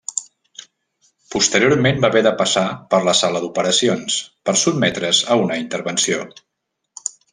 Posteriorment va haver de passar per la sala d'operacions per sotmetre's a una intervenció.